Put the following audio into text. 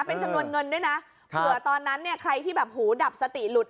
เผื่อตอนนั้นเนี่ยใครที่แบบหูดับสติหลุด